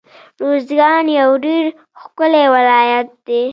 روزګان يو ډير ښکلی ولايت دی